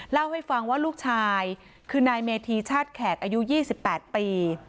เล่าให้ฟังว่าลูกชายคือนายเมธีชาติแขกอายุ๒๘ปี